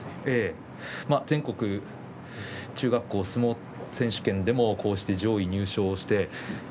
全国中学校相撲選手権でもこうして上位入賞して。